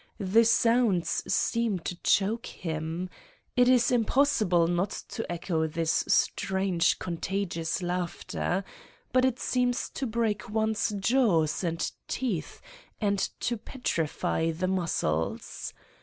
The sounds seem to choke him. It is im possible not to echo this strange contagious laugh ter. But it seems to break one's jaws and teeth and to petrify the muscles.